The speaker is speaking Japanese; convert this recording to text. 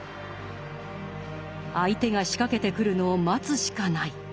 相手が仕掛けてくるのを待つしかない。